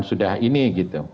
sudah ini gitu